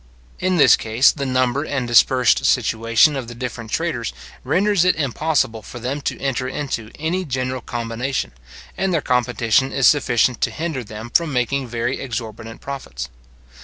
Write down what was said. In this case the number and dispersed situation of the different traders renders it impossible for them to enter into any general combination, and their competition is sufficient to hinder them from making very exorbitant profits.